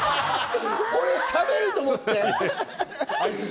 俺がしゃべると思って？